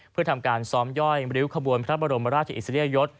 เพื่อทำการซ้อมย่อยริ้วขบวนพระบรมราชอิสริยยศ